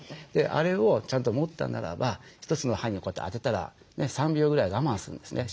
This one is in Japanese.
あれをちゃんと持ったならば１つの歯にこうやって当てたら３秒ぐらい我慢するんですね。